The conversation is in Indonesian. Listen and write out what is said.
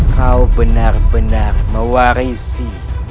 kau benar benar mewarisi